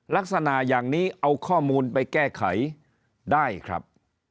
ลักษณะอย่างนี้เอาข้อมูลไปแก้ไขได้ครับ